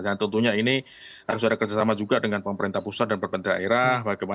dan tentunya ini harus ada kerjasama juga dengan pemerintah pusat dan pemerintah daerah